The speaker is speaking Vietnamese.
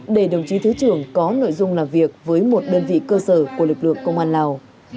để đồng chí thứ trưởng có nội dung làm việc với một đơn vị cơ sở của lực lượng công an lào